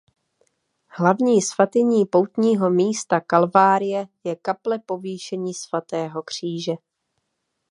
Hlavní svatyní poutního místa Kalvárie je Kaple povýšení Svatého Kříže.